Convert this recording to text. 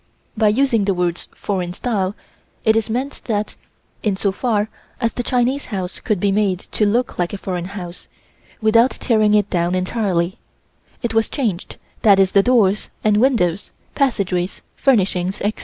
By using the words "foreign style," it is meant that, in so far as the Chinese house could be made to look like a foreign house, without tearing it down entirely, it was changed, that is the doors and windows, passageways, furnishings, etc.